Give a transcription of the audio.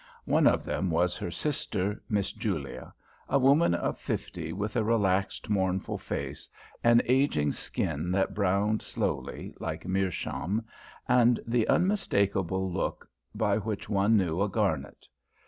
One of them was her sister, Miss Julia; a woman of fifty with a relaxed, mournful face, an ageing skin that browned slowly, like meerchaum, and the unmistakable "look" by which one knew a Garnet.